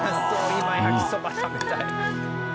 今焼きそば食べたい。